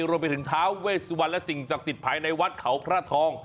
รวมไปถึงท้าเวสวันและสิ่งศักดิ์สิทธิ์ภายในวัดเขาพระทอง